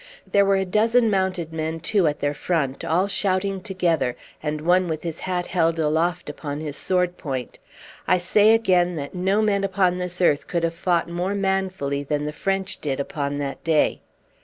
There were a dozen mounted men too at their front, all shouting together, and one with his hat held aloft upon his swordpoint. I say again, that no men upon this earth could have fought more manfully than the French did upon that day.